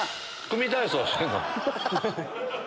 組み体操してるの？